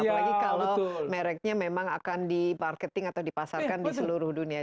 apalagi kalau mereknya memang akan dibarketing atau dipasarkan di seluruh dunia